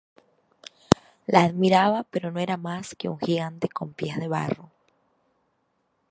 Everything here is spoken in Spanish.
Le admiraba pero no era más que un gigante con pies de barro